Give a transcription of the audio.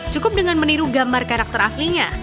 cukup dengan meniru gambar karakter aslinya